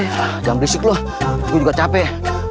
jangan berisik loh gue juga capek